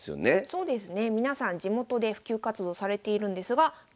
そうですね。